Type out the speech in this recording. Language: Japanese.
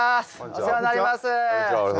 お世話になります。